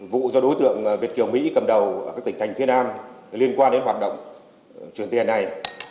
vụ do đối tượng việt kiều mỹ cầm đầu ở các tỉnh thành phía nam liên quan đến hoạt động chuyển tiền này